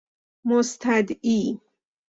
مستدعی